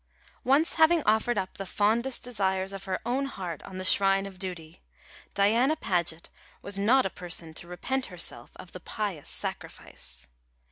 Once having offered up the fondest desires of her own heart on the shrine of duty, Diana Paget was not a person to repent herself of the pious sacrifice.